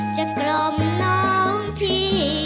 จะกรอบน้องพี่